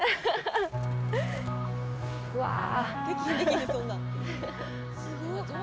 うわあ。